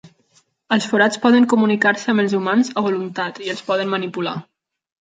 Els forats poden comunicar-se amb els humans a voluntat i els poden manipular.